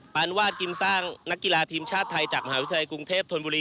ปานวาดกิมสร้างนักกีฬาทีมชาติไทยจากมหาวิทยาลัยกรุงเทพธนบุรี